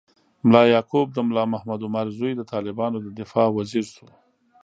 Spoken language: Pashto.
ملا یعقوب، د ملا محمد عمر زوی، د طالبانو د دفاع وزیر شو.